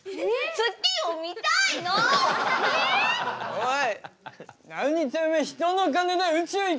おい！